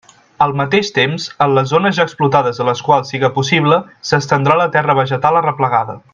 Al mateix temps, en les zones ja explotades en les quals siga possible, s'estendrà la terra vegetal arreplegada.